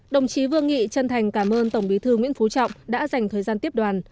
đồng chí vương nghị chân thành cảm ơn tổng bí thư nguyễn phú trọng đã dành thời gian tiếp đoàn